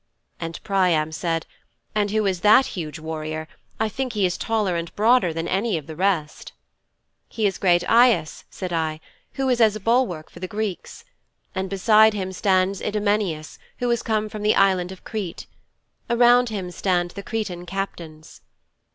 "' 'And Priam said, "Who is that huge warrior? I think he is taller and broader than any of the rest."' '"He is great Aias," I said, "who is as a bulwark for the Greeks. And beside him stands Idomeneus, who has come from the Island of Crete. Around him stand the Cretan captains."